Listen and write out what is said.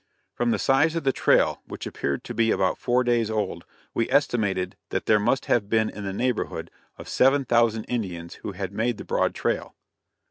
From the size of the trail, which appeared to be about four days old, we estimated that there must have been in the neighborhood of seven thousand Indians who had made the broad trail.